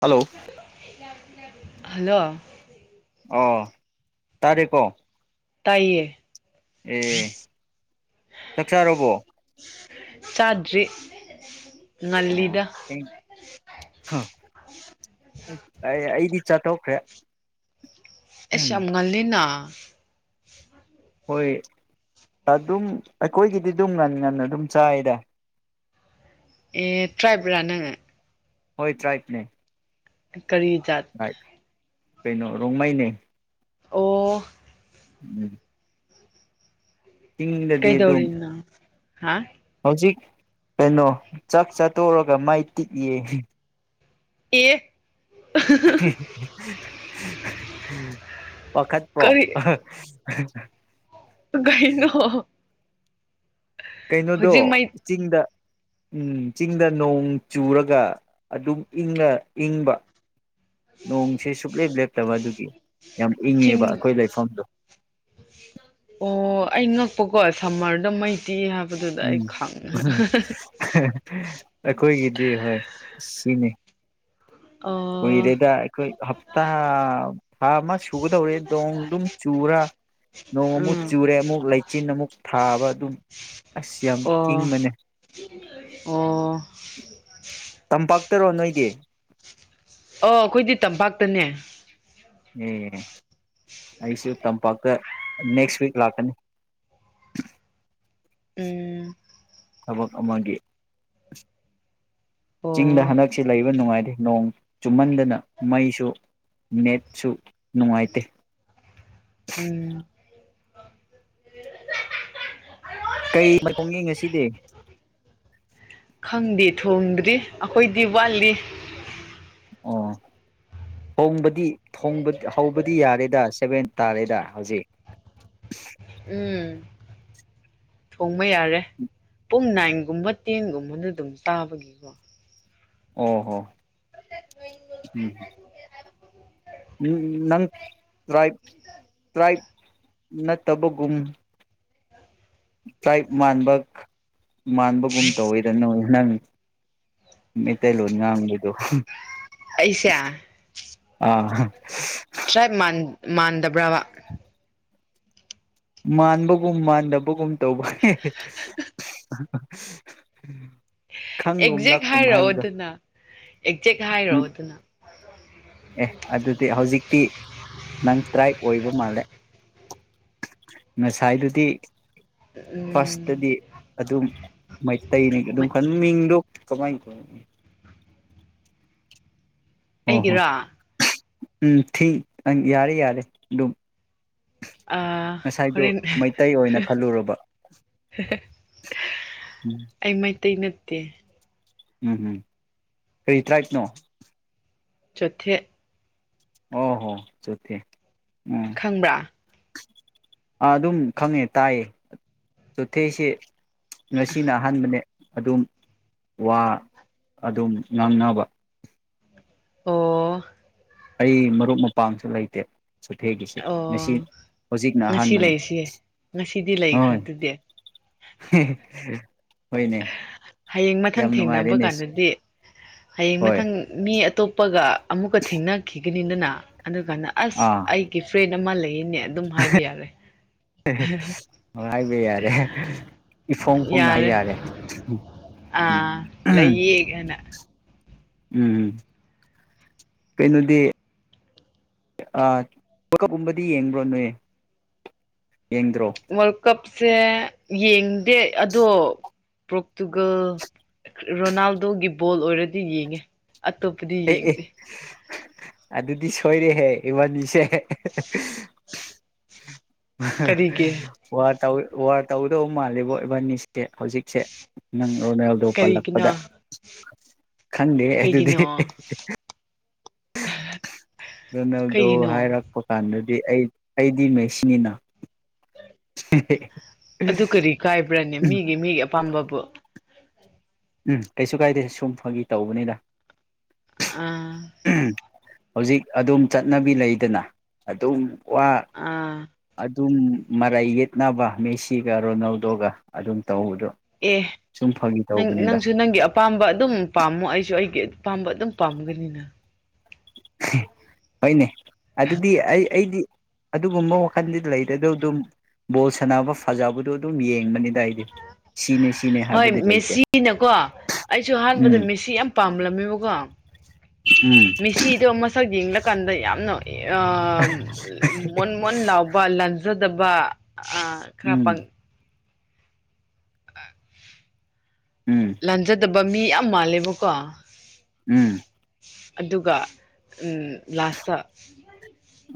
Hello hello ꯑ ꯇꯥꯔꯦꯀꯣ ꯇꯥꯏꯌꯦ ꯑꯦ ꯆꯥꯛ ꯆꯥꯔꯣꯕꯣ ꯆꯥꯗ꯭ꯔꯤ ꯉꯜꯂꯤꯗ ꯑꯣ ꯆꯠꯊꯣꯛꯈ꯭ꯔꯦ ꯑꯦꯁ ꯌꯥꯝꯝꯒꯜꯅꯤꯅ [inaudible] ꯍꯣꯏ ꯑꯗꯨꯝ ꯑꯩꯈꯣꯏꯒꯤꯗꯤ ꯑꯗꯨꯝ ꯉꯟꯅ ꯉꯟꯅ ꯑꯗꯨꯝ ꯆꯥꯏꯗ ꯑꯦ ꯇ꯭ꯔꯥꯏꯕ ꯔ ꯅ ꯑꯉ ꯍꯣꯏ ꯇ꯭ꯔꯥꯏꯞꯅꯦ ꯀꯔꯤꯖꯥꯠ ꯀꯩꯅꯩꯅꯣ ꯔꯣꯡꯃꯩꯅꯦ ꯑꯣ ꯎꯝ ꯆꯤꯡꯗꯗꯤ ꯑꯗꯨꯝ ꯀꯩꯗꯧꯔꯤꯅ ꯍꯥ ꯍꯧꯖꯤꯛ ꯀꯩꯅꯣ ꯆꯥꯛ ꯆꯥꯠꯇꯣꯛꯔꯒ ꯃꯥꯏ ꯇꯤꯛꯏ ꯑꯦ ꯋꯥꯥꯈꯠꯄ꯭ꯔꯣ ꯑ ꯀꯅ ꯀꯩꯅꯣꯗꯣ ꯆꯤꯡꯗ ꯎꯝ ꯆꯤꯡꯗ ꯅꯣꯡ ꯆꯨꯔꯒ ꯑꯗꯨꯝ ꯏꯪꯅ ꯏꯪꯕ ꯅꯣꯡꯁꯦ ꯁꯨꯛꯂꯦꯞ ꯂꯦꯞꯇꯕ ꯑꯗꯨꯒꯤ ꯌꯥꯝ ꯏꯪꯉꯦꯕ ꯆꯤꯡ ꯑꯩꯈꯣꯏ ꯂꯩꯐꯝꯗꯨꯣ ꯑꯣ ꯑꯩ ꯉꯛꯄꯀꯣ ꯁꯝꯃꯔꯗꯣ ꯃꯩꯇꯩꯤ ꯍꯥꯏꯕ ꯎꯝ ꯑꯩꯈꯣꯏꯒꯤꯗꯤ ꯍꯣꯏ ꯁꯤꯅꯤ ꯑꯣ ꯀꯨꯏꯔꯦꯗ ꯑꯩꯈꯣꯏ ꯍꯞꯇꯥ ꯊꯥ ꯑꯃ ꯁꯨꯒꯗꯧꯔꯦ ꯅꯣꯡꯗꯨꯝ ꯆꯨꯔ ꯅꯣꯡ ꯑꯃꯨꯛ ꯎꯝ ꯆꯨꯔꯦ ꯑꯃꯨꯛ ꯂꯩꯆꯤꯟ ꯑꯃꯨꯛ ꯊꯥꯕ ꯑꯗꯨꯝ ꯑꯁ ꯌꯥꯝ ꯑꯣ ꯏꯪꯕꯅꯦ ꯑꯣ ꯇꯝꯄꯥꯛ ꯆ ꯇꯔꯣ ꯅꯣꯏꯗꯤ ꯑꯣ ꯑꯩꯈꯣꯏꯗꯤ ꯇꯝꯄꯥꯛꯇꯅꯦ ꯎ ꯑꯩꯁꯨ ꯇꯝꯄꯥꯛꯇ ꯅꯦꯛꯁ ꯋꯤꯛ ꯂꯥꯛꯀꯅꯤ ꯎꯝ ꯊꯕꯛ ꯑꯃꯒꯤ ꯑ ꯆꯤꯡꯗ ꯑꯣ ꯍꯟꯗꯛꯁ ꯂꯩꯕ ꯅꯨꯡꯉꯥꯏ ꯅꯣꯡ ꯆꯨꯝꯍꯟꯗꯅ ꯃꯩꯁꯨ ꯅꯦꯠꯁꯨ ꯅꯨꯡꯉꯥꯏꯇꯦ ꯎꯝ ꯀꯩ ꯃꯇꯣꯡꯅꯤ ꯉꯁꯤꯗꯤ ꯈꯪꯗꯦ ꯊꯣꯡꯗ꯭ꯔꯤ ꯑꯩꯈꯣꯏ ꯗꯤꯋꯥꯂꯤ ꯑꯣ ꯊꯣꯡꯕꯗꯤ ꯍꯧꯕꯗꯤ ꯌꯥꯔꯦꯗ ꯁꯚꯦꯟ ꯇꯥꯔꯦꯗ ꯍꯧꯖꯤꯛ ꯎꯝ ꯌꯥꯔꯦ ꯄꯨꯡ ꯅꯥꯏ ꯒꯨꯝꯕ ꯇꯦꯟꯒꯨꯝꯕꯅ ꯑꯗꯨꯝ ꯆꯥꯕꯒꯤꯀꯣ ꯑꯣ ꯍꯣ ꯎꯝ ꯅꯪ ꯇꯥꯏ ꯇ꯭ꯔꯥꯏꯞ ꯅꯠꯇꯕꯒꯨꯝ ꯇꯥꯏ ꯃꯥꯟꯕꯒ ꯃꯥꯟꯕꯒꯨꯝ ꯇꯧꯋꯤꯔ ꯅꯣꯏ ꯅꯪ ꯃꯇꯦꯂꯣ ꯉꯝ ꯂꯤꯗꯨꯣ ꯑꯩꯁꯦ ꯑꯥ ꯎ ꯇ꯭ꯔꯥꯏ ꯃꯥꯟꯗꯕ꯭ꯔꯕ ꯃꯥꯟꯕꯒꯨꯝ ꯃꯥꯟꯗꯕꯒꯨꯝ ꯇꯧꯕ ꯎꯝ ꯑꯦꯛꯖꯦꯛ ꯍꯥꯏꯔꯛꯑꯣ ꯑꯗꯨꯅ ꯑꯦꯛꯖꯦꯛ ꯎꯝ ꯍꯥꯏꯔꯛꯑꯣꯗꯨꯅ ꯑꯦ ꯑꯗꯨꯗꯤ ꯍꯧꯖꯤꯛꯇꯤ ꯅꯪ ꯇ꯭ꯔꯥꯏ ꯑꯣꯏꯕ ꯃꯥꯜꯂꯦ ꯉꯁꯥꯏꯗꯨꯗꯤ ꯎꯝ ꯐꯥꯔꯁꯇꯗꯤ ꯑꯗꯨꯝ ꯃꯩꯇꯩꯅꯤ ꯑꯗꯨꯝ ꯈ ꯃꯤꯡꯗꯣ ꯀꯃꯥꯏ ꯀ ꯑꯣ ꯍꯣ ꯑꯩꯒꯤꯔꯥ ꯎꯝ ꯊ ꯌꯥꯔꯦ ꯌꯥꯔꯦ ꯑꯗꯨ ꯉꯁꯥꯏꯗꯨ ꯍꯣꯔꯦꯟ ꯃꯩꯇꯩ ꯑꯣꯏꯅ ꯈꯜꯂꯨꯔꯕ ꯎꯝ ꯑꯩ ꯃꯩꯇꯩꯅ ꯀ [unintelligible] ꯎꯝ ꯎꯝ ꯀꯔꯤ ꯇ꯭ꯔꯥꯏꯞꯅꯣ ꯆꯠꯊꯦꯛ ꯑꯣ ꯍꯣ ꯆꯊꯤ ꯈꯪꯕ꯭ꯔꯥ ꯑꯗꯨꯝ ꯈꯪꯉꯦ ꯇꯥꯏꯌꯦ ꯆꯣꯊꯦꯁꯤ ꯉꯁꯤꯅ ꯑꯍꯥꯟꯕꯅꯦ ꯑꯗꯨꯝ ꯋꯥ ꯑꯗꯨꯝ ꯉꯥꯡꯅꯕ ꯑꯣ ꯑꯩ ꯃꯔꯨꯞ ꯃꯄꯥꯡꯁꯨ ꯂꯩꯇꯦ ꯆꯨꯊꯦꯛꯒꯤꯁꯦ ꯑꯣ ꯃꯁꯤ ꯍꯧꯖꯤꯛꯅ ꯉꯁꯤ ꯑꯍꯥꯟꯕꯅꯦ ꯂꯩꯁꯤꯌꯦ ꯉꯁꯤꯗꯤ ꯂꯩꯈ꯭ꯔ ꯍꯣꯏ ꯑꯗꯨꯗꯤ ꯍꯦ ꯍꯌꯦꯡ ꯃꯊꯪ ꯊꯦꯡꯅꯕ ꯅꯨꯡꯉꯥꯏꯔꯦꯅꯦ ꯀꯥꯟꯗꯗꯤ ꯍꯌꯦꯡ ꯍꯣꯏ ꯃꯊꯪ ꯃꯤ ꯇꯣꯞꯄꯒ ꯑꯃꯨꯛꯀ ꯊꯦꯡꯅꯈꯤ ꯒꯤꯅꯤꯗꯅꯥ ꯑꯗꯨ ꯀꯥꯟꯗ ꯑꯁ ꯑꯥ ꯑꯩꯒꯤ ꯐ꯭ꯔꯦꯟ ꯃꯥ ꯂꯩ ꯏꯅꯦ ꯑꯗꯨꯝ ꯍꯥꯏꯕ ꯌꯥꯔꯦ ꯍꯥꯏꯕ ꯌꯥꯔꯦ ꯏꯐꯣꯡ ꯐꯣꯡꯅ ꯍꯥꯏꯕ ꯌꯥꯔꯦ ꯎꯝ ꯑꯥ ꯎꯝ ꯂꯩꯌꯦ ꯍꯥꯏꯅ ꯎꯝ ꯀꯩꯅꯣꯗꯤꯀꯞꯀꯨꯝꯕꯗꯤ ꯌꯦꯡꯕ꯭ꯔꯣ ꯅꯣꯏ ꯌꯦꯡꯗ꯭ꯔꯣ ꯁꯦ ꯌꯦꯡꯗꯦ ꯑꯗꯣ ꯄꯣꯔꯇꯨꯒꯜ ꯔꯣꯅꯥꯜꯗꯣꯒꯤ ꯕꯣꯜ ꯑꯣꯏꯔꯗꯤ ꯌꯦꯡꯉꯦ ꯑꯇꯣꯞꯄꯗꯤ ꯑꯦ ꯑꯦ ꯌꯦꯡꯗꯦ ꯑꯗꯨꯗꯤ ꯁꯣꯏꯔꯦꯍꯦ ꯏꯕꯥꯅꯤꯁꯦ ꯀꯔꯤꯒꯤ ꯋꯥ ꯇꯧ ꯋꯥꯔ ꯇꯧꯗꯧ ꯃꯥꯜꯂꯦꯕꯣ ꯏꯕꯥꯅꯤꯁꯦ ꯍꯧꯖꯤꯛꯁꯦ ꯅꯪ ꯔꯣꯅꯦꯜꯗꯣ ꯀꯔꯤꯒꯤꯅꯣ ꯄꯜꯂꯛꯄꯗ ꯈꯪꯗꯦ ꯑꯗꯨꯗꯤ ꯀꯩꯒꯤꯅꯣ [unintelligible] ꯔꯣꯅꯥꯜꯗꯣ ꯀꯩꯒꯤꯅꯣ ꯍꯥꯏꯔꯛꯄ ꯀꯥꯟꯗꯗꯤ ꯑꯩ ꯑꯩꯗꯤ ꯃꯩꯁꯤꯅꯤꯅ ꯑꯗꯨ ꯀꯔꯤ ꯀꯥꯏꯕ꯭ꯔꯥꯅꯦ ꯃꯤꯒꯤ ꯃꯤꯒꯤ ꯑꯄꯥꯝꯕꯕꯨ ꯎꯝ ꯀꯩꯁꯨ ꯀꯥꯏꯗꯦ ꯁꯨꯝ ꯐꯒꯤ ꯇꯧꯕꯅꯤꯗ ꯑꯥ ꯍꯧꯖꯤꯛ ꯑꯗꯨꯝ ꯆꯠꯅꯕꯤ ꯂꯩꯗꯅ ꯑꯗꯨꯝ ꯋꯥ ꯑꯥ ꯑꯗꯨꯝ ꯃꯔꯩ ꯌꯦꯠꯅꯕ ꯃꯦꯁꯤꯒ ꯔꯣꯅꯥꯜꯗꯣꯒ ꯑꯗꯨꯝ ꯇꯧꯕꯗꯣ ꯑꯦ ꯁꯨꯝ ꯐꯥꯒꯤ ꯅ ꯇꯧꯕꯅꯤꯗ ꯅꯪꯁꯨ ꯅꯪꯒꯤ ꯑꯄꯥꯝꯕ ꯑꯗꯨꯝ ꯄꯥꯝꯃꯣ ꯑꯩꯁꯨ ꯑꯩ ꯄꯥꯝꯕ ꯑꯗꯨꯝ ꯄꯥꯝꯒꯅꯤꯅ ꯍꯅꯦ ꯑꯗꯨꯗꯤ ꯑꯩ ꯑꯩꯗꯤ ꯑꯗꯨꯒꯨꯝꯕ ꯋꯥꯈꯜꯗꯤ ꯂꯩꯔꯦ ꯑꯗꯨ ꯑꯗꯨꯝ ꯕꯣꯜ ꯁꯥꯟꯅꯕ ꯐꯖꯕꯗꯣ ꯑꯗꯨꯝ ꯌꯦꯡꯕꯅꯤꯗ ꯑꯩꯗꯤ ꯁꯤꯅꯦ ꯁꯤꯅꯦ ꯍꯣꯏ ꯍꯥꯏꯕꯗꯤ ꯂꯩꯇꯦ ꯃꯦꯁꯤꯅꯀꯣ ꯑꯩꯁꯨ ꯑꯍꯥꯟꯕꯗ ꯎꯝ ꯃꯦꯁꯤ ꯌꯥꯝ ꯄꯥꯝꯂꯝꯃꯦꯕꯀꯣ ꯎꯝ ꯃꯤꯦꯁꯤꯗꯣ ꯃꯁꯛ ꯌꯦꯡꯂꯀꯥꯟꯗ ꯌꯥꯝꯅ ꯃꯨꯟ ꯃꯣꯟ ꯂꯥꯎꯕ ꯂꯟꯖꯠ ꯗꯕꯥ ꯀꯄꯪ ꯎꯝ ꯑ ꯎꯝ ꯂꯖꯗ ꯕ ꯃꯤ ꯌꯥꯝ ꯃꯥꯜꯂꯦꯕꯀꯣ ꯎꯝ ꯑꯗꯨꯒ ꯂꯥꯁꯇ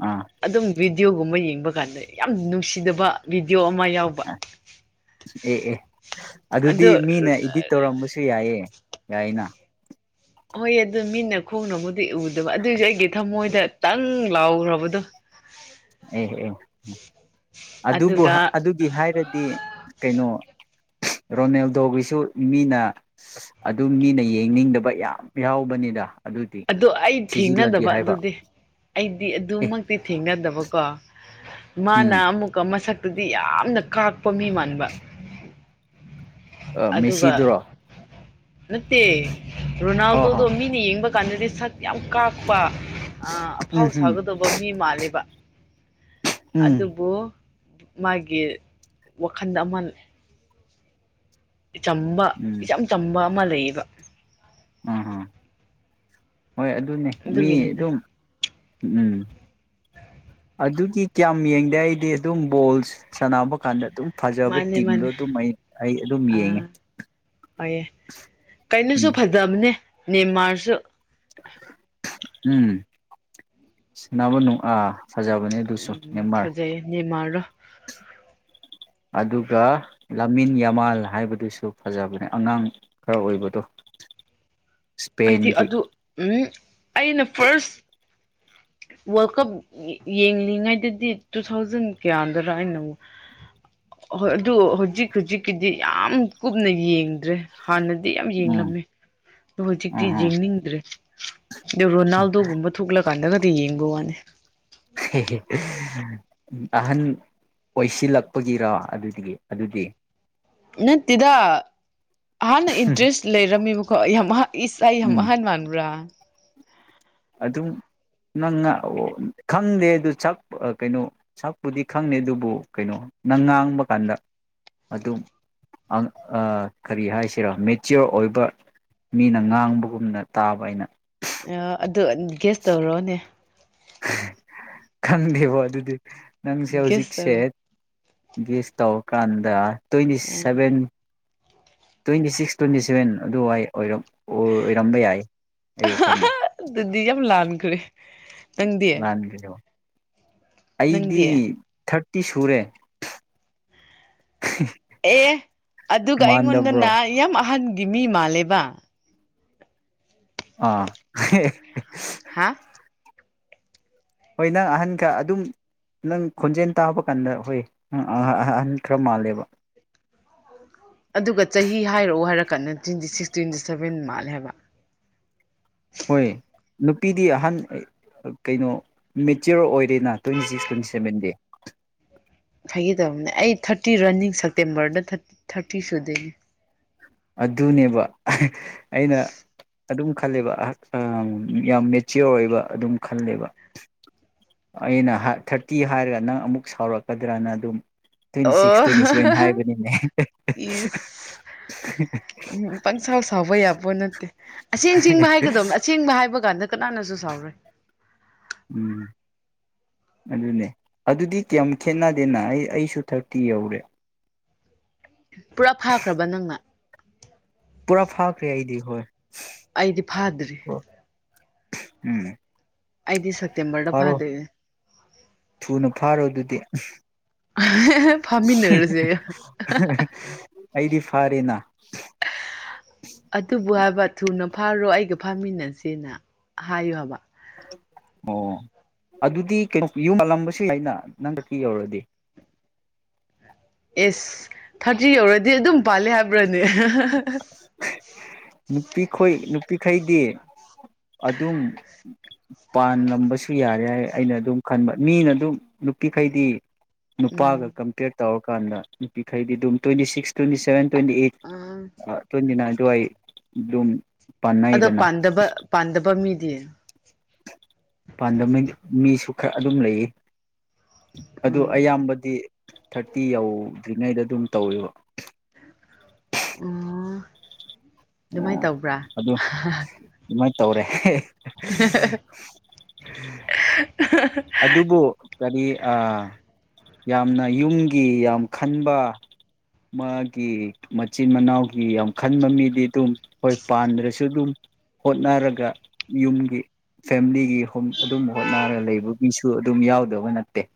ꯑꯥ ꯑꯗꯨꯝ ꯋ ꯚꯗꯤꯑꯣꯒꯨꯝꯕ ꯌꯦꯡꯕ ꯀꯥꯟꯗ ꯌꯥꯝ ꯅꯨꯡꯁꯤꯗꯕ ꯑꯣ ꯑꯃ ꯌꯥꯎꯕ ꯑꯦ ꯑꯦ ꯑꯗꯨꯗꯤ ꯑꯗꯣ ꯃꯤꯅ ꯏꯗꯤꯠ ꯇꯧꯔꯝꯕꯁꯨ ꯌꯥꯏꯌꯦ ꯌꯥꯏꯅ ꯍꯣꯏ ꯑꯗꯨ ꯃꯤꯅ ꯈꯣꯡꯅꯕꯨꯨꯗꯤ ꯎꯗꯕ ꯑꯗꯨꯑꯣꯏꯁꯨ ꯑꯩꯒꯤ ꯊꯃꯣꯏꯗꯇꯪ ꯂꯥꯎꯈ꯭ꯔꯕꯗꯣ ꯑꯦꯍ ꯑꯦ ꯑꯗꯨꯕꯨ ꯑꯗꯨꯒ ꯑꯗꯨꯒꯤ ꯍꯥꯏꯔꯗꯤ ꯀꯩꯅꯣ ꯔꯣꯅꯦꯜꯗꯣꯒꯤꯁꯨ ꯃꯤꯅ ꯑꯗꯨꯝ ꯃꯤꯅ ꯌꯦꯡꯅꯤꯡꯗꯕ ꯌꯥꯝ ꯌꯥꯎꯕꯅꯤꯗ ꯑꯗꯨꯗꯤ ꯑꯗ ꯑꯩ ꯊꯤꯖꯤꯜꯂꯒꯦ ꯊꯦꯡꯅꯗꯕ ꯍꯥꯏꯕ ꯑꯗꯨꯗꯤ ꯑꯩ ꯗꯤ ꯑꯦ ꯑꯗꯨꯃꯛꯇꯤ ꯊꯦꯡꯅꯗꯕꯀꯣ ꯃꯥꯅ ꯎꯝ ꯑꯃꯨꯀ ꯃꯁꯛ ꯑꯗꯨꯗꯤ ꯌꯥꯝꯅ ꯀꯥꯛꯄ ꯃꯤ ꯃꯥꯟꯕ [unintelligible] ꯑ ꯑꯗꯨꯒ ꯃꯦꯁꯤꯗꯨ꯭ꯔꯣ ꯅꯠꯇꯦ ꯔꯣꯅꯥꯜꯗꯣꯗꯣ ꯃꯤꯅ ꯌꯦꯡꯕ ꯀꯥꯟꯅꯗꯦ ꯁꯛ ꯌꯥꯝ ꯀꯥꯛꯄ ꯑꯥ ꯑꯐꯥꯎ ꯎꯝ ꯎꯝ ꯁꯥꯒꯗꯧꯕ ꯃꯤ ꯃꯜꯂꯦꯕ ꯎꯝ ꯑꯗꯨꯕꯨ__ ꯃꯒꯤ ꯋꯥꯈꯟ ꯑꯃ__ ꯏꯆꯥꯝꯕ ꯎꯝ ꯏꯆꯥꯝ ꯆꯥꯝꯕ __ ꯃ ꯂꯩꯌꯦꯕ ꯏꯝ ꯍꯝ ꯍꯣꯏ ꯑꯗꯨꯅꯦ ꯃꯤ ꯑꯗꯨꯒꯤꯅꯤꯗ ꯑꯗꯨꯝ__ ꯏ ꯏꯝ ꯑꯗꯨꯗꯤ ꯀꯌꯥꯝ ꯌꯦꯡꯗꯦ ꯑꯩꯗꯤ ꯑꯗꯨꯝ ꯕꯣꯜ ꯁꯥꯟꯅꯕ ꯀꯥꯟꯗ ꯑꯗꯨꯝ__ ꯃꯥꯟꯂꯦ ꯃꯥꯅꯦ ꯑꯗꯨꯝ ꯑꯥ ꯌꯦꯡꯉꯦ ꯐꯌꯦ ꯀꯩꯅꯣꯁꯨ ꯎꯝ ꯐꯖꯕꯅꯦ__ ꯅꯤꯝꯃꯔꯁꯨ ꯎꯝ ꯁꯅꯕ ꯅꯨꯡ ꯑꯥꯥ __ ꯑꯥꯎ ꯐꯖꯩꯌꯦ ꯅꯦꯟꯃꯥꯔ ꯗꯣ꯫ ꯑꯗꯨꯒ ꯂꯥꯃꯤꯟ ꯌꯥꯃꯜ ꯍꯥꯏꯕꯗꯨꯁꯨ ꯐꯖꯕꯅꯦ ꯑꯉꯥꯡ ꯈꯔ ꯑꯣꯏꯕꯗꯨ꯫ ꯑꯩꯗꯤ ꯑꯗꯨ ꯎꯏꯞ ꯑꯩꯅ ꯐꯥꯔ꯭ꯁꯠ ꯋꯥꯜ ꯀꯞ ꯌꯦꯡꯂꯤꯉꯩꯗꯗꯤ ꯇꯨ ꯊꯥꯎꯖꯦꯟ ꯀꯌꯥꯗ ꯔꯥ ꯑꯩꯅ ꯍꯣꯏ ꯑꯗꯨ ꯍꯧꯖꯤꯛ ꯍꯧꯖꯤꯛꯀꯤꯗꯤ ꯌꯥꯝ ꯀꯨꯞꯅ ꯌꯦꯡ__ ꯔ꯭ꯦ ꯍꯥꯟꯅꯗꯤ ꯌꯥꯝ ꯎꯝ ꯌꯦꯡꯂꯝꯃꯦ ꯗꯣ ꯍꯣꯖꯤꯛꯇꯤ ꯑꯍ ꯌꯦꯡꯅꯤꯡꯗ꯭ꯔꯦ꯫ ꯗ ꯔꯣꯅꯥꯜꯗꯣ ꯒꯨꯝꯕ ꯊꯣꯛꯂ ꯀꯥꯟꯗꯒ__ ꯑꯦ ꯌꯦꯡꯕ ꯋꯥꯅꯦ ꯑꯍꯦꯍꯦ ꯏꯝ ꯑꯍꯥꯟ ꯑꯣꯏꯁꯤꯜꯂꯛꯄ ꯒꯤꯔꯥ ꯑꯗꯨꯗꯒꯤ ꯑꯗꯨꯗꯤ ꯅꯠꯇꯦꯗ ꯑꯍꯥꯟꯅ ꯏꯟꯇꯔ꯭ꯦꯁ ꯂꯩꯔꯝꯃꯤꯕꯀꯣ ꯌꯥꯝ ꯑꯍꯥ ꯏꯁ ꯑꯩ ꯌꯥꯝ ꯎꯝ ꯑꯍꯥꯟ ꯃꯟꯕ꯭ꯔꯥ꯫ ꯑꯗꯨꯝ ꯅꯪ ꯉꯥ ꯑꯣ ꯈꯪꯗꯦ ꯑꯗꯨ ꯁꯞ ꯀꯩꯅꯣ ꯁꯛꯄꯨꯗꯤ ꯈꯪꯗꯦ ꯑꯗꯨꯕꯨ ꯀꯩꯅꯣ ꯅꯪ ꯉꯥꯡꯕ ꯀꯥꯟꯗ ꯑꯗꯨꯝ ꯑꯡ ꯑꯥ ꯀꯔꯤ ꯍꯥꯏꯁꯤꯔ ꯃꯦꯆꯤꯌꯣꯔ ꯑꯣꯏꯕ ꯃꯤꯅ ꯉꯥꯡꯕꯒꯨꯝꯅ ꯇꯥꯕ ꯑꯩꯅ ꯑꯦꯌ ꯑꯗ__ ꯑꯥ ꯒꯤꯁ ꯇꯧꯔꯣꯅꯦ ꯍꯥ ꯈꯪꯗꯦꯕꯣ ꯑꯗꯨꯗꯤ ꯅꯪꯁꯦ ꯒꯦꯁ ꯇꯧꯔꯣ ꯍꯧꯖꯤꯛꯁꯦꯠ ꯒꯦꯁ ꯇꯥꯎ__ and twenty seven twenty six twenty seven ꯑꯗꯨꯋꯥꯏ ꯑꯣꯏꯔꯣ__ ꯍꯤ ꯑꯍꯥꯍꯥ ꯗꯨꯗꯤ ꯌꯥꯝ ꯂꯥꯟꯈꯔꯦ ꯅꯪꯗꯤ ꯂꯥꯟꯒꯅꯦꯕ ꯑꯩꯗꯤ ꯅꯪꯗꯤ ꯊꯛ__ ꯏ ꯁꯨꯔꯦ ꯑꯦ ꯑꯗꯨꯒ ꯑꯩꯉꯣꯟꯗꯅ ꯃꯥꯟꯗꯕ꯭ꯔꯣ ꯌꯥꯝ ꯑꯍꯟ ꯒꯤꯃꯤ ꯃꯥꯜꯦꯕ ꯑꯥ ꯍꯥ ꯍꯣꯏ ꯅꯪ ꯑꯍꯟ ꯈꯔ ꯑꯗꯨꯝ ꯅꯪ ꯈꯣꯟꯖꯦꯜ ꯇꯥꯕ ꯀꯥꯟꯗ ꯍꯣꯏ ꯅꯪ ꯑꯍꯟ ꯈꯔ ꯃꯥꯜꯂꯦꯕ ꯑꯗꯨꯒ ꯆꯍꯤ ꯍꯥꯏꯔꯛꯑꯣ ꯍꯥꯏꯔ ꯀꯥꯟꯗ ꯇ꯭ꯋꯦꯟꯇꯤ ꯁꯤꯛꯁ ꯇ꯭ꯋꯦꯟꯇꯤ ꯁꯚꯦꯟ ꯃꯥꯜꯂꯦ ꯍꯥꯏꯕ ꯍꯣꯏ ꯅꯨꯄꯤꯗꯤ ꯑꯍꯟ ꯀꯩꯅꯣ ꯃꯦꯆꯤꯌꯣꯔ ꯑꯣꯏꯔꯦꯅ ꯇ꯭ꯋꯦꯟꯇꯤ ꯁꯤꯛꯁ ꯇ꯭ꯋꯦꯟꯇꯤ ꯁꯚꯦꯟꯗꯤ ꯐꯒꯦ ꯇꯧꯕꯅꯦ ꯑꯩ ꯊꯥꯔꯇꯤ ꯔꯟꯅꯤꯡ ꯁꯦꯞꯇꯦꯝꯕꯔꯗ ꯊꯥꯔꯇꯤ ꯁꯨꯗꯩꯅꯤ ꯑꯗꯨꯗꯅꯦꯕ ꯑꯩꯅ ꯑꯗꯨꯝ ꯈꯜꯂꯦꯕ ꯌꯥꯝ ꯃꯦꯆꯤꯌꯣꯔ ꯑꯣꯏꯕ ꯑꯗꯨꯝ ꯈꯜꯂꯦꯕ ꯑꯩꯅ ꯊꯥꯔꯇꯤ ꯍꯥꯏꯔꯒ ꯅꯪ ꯑꯃꯨꯛ ꯁꯥꯎꯔꯛꯀꯗ꯭ꯔꯅ ꯑꯗꯨꯝ ꯇ꯭ꯋꯦꯟꯇꯤ ꯁꯤꯛꯁ ꯇ꯭ꯋꯦꯟꯇꯤ ꯁꯚꯦꯟ ꯑꯣ ꯍꯥꯏꯕꯅꯤꯅꯦ ꯏꯁ ꯎꯝ ꯄꯪꯁꯥꯎ ꯁꯥꯎꯕ ꯌꯥꯕꯣ ꯅꯠꯇꯦ ꯑꯁꯦꯡ ꯆꯤꯡꯕ ꯍꯥꯏꯒꯗꯕꯅꯦ ꯑꯁꯦꯡꯕ ꯍꯥꯏꯕ ꯀꯥꯟꯗ ꯀꯅꯥꯅꯁꯨ ꯁꯥꯎꯔꯣꯏ ꯎꯝ ꯑꯗꯨꯅꯦ ꯑꯗꯨꯗꯤ ꯀꯌꯥꯝ ꯈꯦꯠꯅꯗꯦꯅ ꯑꯩ ꯑꯩꯁꯨ ꯊꯥꯔꯇꯤ ꯌꯧꯔꯦ ꯄꯨꯔꯥ ꯐꯥꯈ꯭ꯔꯕ ꯅꯪꯅ ꯄꯨꯔꯥ ꯐꯥꯈ꯭ꯔꯦ ꯑꯩꯗꯤ ꯍꯣꯏ ꯑꯩꯗꯤ ꯐꯥꯗ꯭ꯔꯤ ꯎꯝ ꯑꯩꯗꯤ ꯁꯀꯤꯦ ꯐꯇꯕꯣ ꯐꯥꯔꯣ ꯐꯥꯗꯦ ꯊꯨꯅ ꯐꯥꯔꯣ ꯑꯗꯨꯗꯤ ꯐꯥꯃꯤꯟꯅꯔꯁꯦ ꯑꯩꯗꯤ ꯐꯔꯤꯅ ꯑꯗꯨꯕꯨ ꯍꯥꯏꯕ ꯊꯨꯅ ꯐꯥꯔꯣ ꯑꯩꯒ ꯐꯥꯃꯤꯟꯅꯁꯦꯅ ꯍꯥꯏꯌꯨ ꯍꯥꯏꯕ ꯑꯣ ꯑꯗꯨꯗꯤ ꯀꯩꯅꯣ ꯌꯨꯝ ꯄꯜꯂꯝꯕꯁꯤ ꯑꯩꯅ ꯅꯪꯗꯀꯤ ꯌꯧꯔꯗꯤꯦ ꯑꯦꯁ ꯊꯥꯔꯇꯤ ꯌꯧꯔꯗꯤ ꯑꯗꯨꯝ ꯄꯥꯜꯂꯦ ꯍꯥꯏꯕ꯭ꯔꯥꯅꯦ ꯎꯝ ꯅꯨꯄꯤꯈꯣꯏ ꯅꯨꯄꯤꯈꯩꯗꯤ ꯑꯗꯨꯝ ꯄꯥꯟꯂꯝꯕꯁꯨ ꯌꯥꯔꯦ ꯍꯥꯏ ꯑꯩꯅ ꯑꯗꯨꯝ ꯈꯟꯕ ꯃꯤꯅ ꯑꯗꯨꯝ ꯅꯨꯄꯤꯈꯩꯗꯤ ꯎꯝ ꯅꯨꯄꯥꯒ ꯀꯝꯄꯦꯌꯔ ꯇꯧꯔꯛ ꯀꯥꯟꯗ ꯅꯨꯄꯤꯈꯩꯗꯤ ꯑꯗꯨꯝ twenty six twenty seven twenty eight ꯑꯥ ꯑ ꯇ꯭ꯤꯟ ꯁꯏ ꯕ꯭ꯂꯨꯝ ꯑꯗꯣ ꯄꯗꯕ ꯄꯥꯟꯗꯕ ꯃꯤ ꯑꯗꯨꯦ ꯄꯥꯟꯗꯕ ꯃꯤꯁꯨ ꯈꯔ ꯑꯗꯨꯝ ꯂꯩꯌꯦ ꯑꯗꯨ ꯎꯝ ꯑꯌꯥꯝꯕꯗꯤ ꯊꯥꯔꯇꯤ ꯌꯧꯗ꯭ꯔꯤꯉꯩꯗ ꯑꯗꯨꯝ ꯇꯧꯋꯦꯕ ꯑꯣ ꯑꯗꯨꯃꯥꯏꯅ ꯑꯣ ꯇꯧꯕ꯭ꯔꯥ ꯁꯧꯔꯦ [inaudible] ꯑꯗꯨꯕꯨ ꯀꯔꯤ ꯌꯥꯝꯅ ꯌꯨꯝꯒꯤ ꯌꯥꯝ ꯈꯟꯕ ꯃꯥꯒꯤ ꯃꯆꯤꯟ ꯃꯅꯥꯎꯒꯤ ꯌꯥꯝ ꯈꯟꯕ ꯃꯤꯗꯤ ꯑꯗꯨꯝ ꯍꯣꯏ ꯄꯥꯟꯗ꯭ꯔꯁꯨ ꯑꯗꯨꯝ ꯍꯣꯠꯅꯔꯒ ꯌꯨꯝꯒꯤ ꯐꯦꯃꯤꯂꯤꯒꯤ ꯑꯗꯨꯝ ꯍꯣꯠꯅꯔꯒ ꯂꯩꯕ ꯃꯤꯁꯨ ꯑꯗꯨꯝ ꯌꯥꯎꯗꯕ ꯅꯠꯇꯦ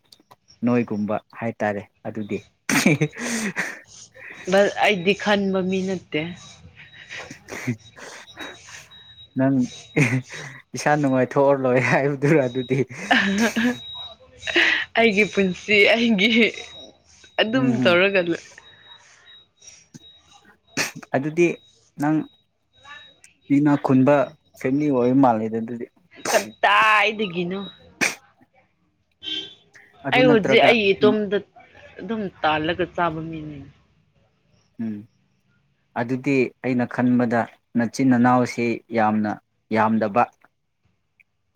ꯅꯣꯏꯒꯨꯝꯕ ꯍꯥꯏꯇꯥꯔꯦ ꯑꯗꯨꯗꯤ ꯀꯃꯤꯟꯅꯠꯇ ꯅꯪ ꯏꯁꯥ ꯅꯨꯡꯉꯥꯏꯊꯣꯛꯑ ꯂꯣꯏ ꯍꯥꯏꯕꯗꯨꯔ ꯑꯗꯨꯗꯤ [inaudible] ꯑꯩꯒꯤ ꯄꯨꯟꯁꯤ ꯑꯩꯒꯤ ꯑꯗꯨꯝ ꯎꯝ ꯎꯝ ꯇꯧꯔꯒ ꯂꯩ ꯑꯗꯨꯗꯤ ꯅꯪ ꯃꯤꯅ ꯈꯨꯟꯕ ꯐꯦꯃꯤꯂꯤ ꯑꯣꯏꯕ ꯃꯥꯜꯂꯦꯗ ꯑꯗꯨꯗꯤ ꯀꯠꯇ ꯏꯗꯒꯅꯨ ꯑꯗꯨ ꯑꯩ ꯍꯧꯖꯤꯛ ꯅꯠꯇ꯭ꯔꯒ ꯑꯩ ꯎꯝ ꯏꯇꯣꯝꯗ ꯑꯗꯨꯝ ꯇꯥꯜꯂꯒ ꯆꯥꯕ ꯃꯤꯅꯦ ꯎꯝ ꯑꯗꯨꯗꯤ ꯑꯩꯅ ꯈꯟꯕꯗ ꯃꯆꯤꯟ ꯃꯅꯥꯎꯁꯤ ꯌꯥꯝꯅ ꯌꯥꯝꯗꯕ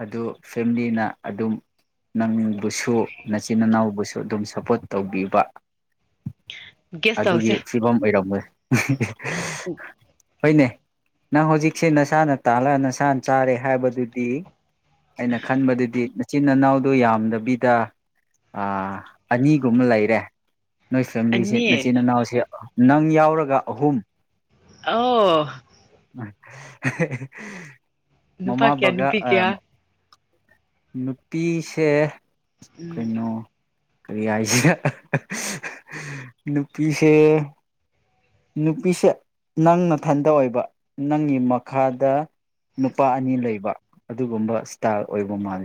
ꯑꯗꯨ ꯐꯦꯃꯤꯂꯤꯅ ꯑꯗꯨꯝ ꯅꯪꯕꯨꯁꯨ ꯃꯆꯤꯟ ꯏꯅꯥꯎꯕꯨꯁꯨ ꯑꯗꯨꯝ ꯁꯄꯣꯔꯠ ꯇꯧꯕꯤꯕ ꯒꯦꯁ ꯑꯗꯨꯒꯤ ꯇꯧꯁꯦ ꯐꯤꯕꯝ ꯑꯣꯏꯔꯝꯃꯣꯏ ꯍꯣꯏꯅꯦ ꯅꯪ ꯍꯧꯖꯤꯛꯁꯦ ꯅꯁꯥꯅ ꯇꯥꯜꯂꯒ ꯅꯁꯥꯅ ꯆꯥꯔꯦ ꯍꯥꯏꯕꯗꯨꯗꯤ ꯑꯩꯅ ꯈꯟꯕꯗꯨꯗꯤ ꯏꯆꯤꯟ ꯏꯅꯥꯎꯗ ꯌꯥꯝꯗꯕꯤꯗ ꯑꯅꯤꯒꯨꯝꯕ ꯂꯩꯔꯦ ꯅꯣꯏ ꯐꯦꯃꯤꯂꯤꯁꯦ ꯑꯅꯤ ꯃꯆꯤꯟ ꯏꯅꯥꯎꯁ ꯅꯪ ꯌꯥꯎ ꯭ꯔꯒ ꯑꯍꯨꯝ ꯑꯣ [inaudible] ꯅꯨꯄꯥ ꯃꯃꯥ ꯀꯌꯥ ꯕꯒꯥ ꯅꯨꯄꯤ ꯀꯌꯥ ꯅꯨꯄꯤꯁꯦ ꯎꯝ ꯀꯩꯅꯣ ꯀꯔꯤ ꯍꯥꯏꯁꯤꯦ ꯅꯨꯄꯤꯁꯦ ꯅꯨꯄꯤꯁꯦ ꯅꯪꯅ ꯊꯟꯗ ꯑꯣꯏꯕ ꯅꯪꯒꯤ ꯃꯈꯥꯗ ꯅꯨꯄꯥ ꯑꯅꯤ ꯂꯩꯕ ꯑꯗꯨꯒꯨꯝꯕ ꯏꯁ꯭ꯇꯥꯔ ꯑꯣꯏꯕ ꯃꯥꯜꯂꯤ